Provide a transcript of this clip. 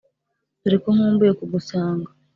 Dore ko nkumbuye kugusanga